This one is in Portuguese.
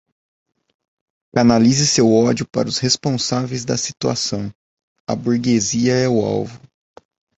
Canalize seu ódio para os responsáveis da situação, a burguesia é o alvo